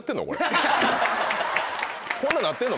こんなんなってんの？